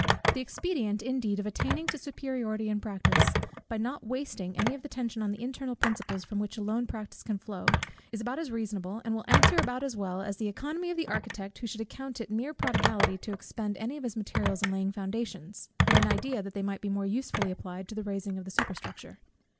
The expedient indeed of attaining to superiority in practice, by not wasting any of the attention on the internal principles from which alone practice can flow, is about as reasonable, and will answer about as well, as the oeconomy of the architect, who should account it mere prodigality to expend any of his materials in laying foundations, from an idea that they might be more usefully applied to the raising of the superstructure.